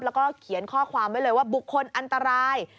แล้วก็เขียนข้อความไว้เลยว่าบุคคลอันตราย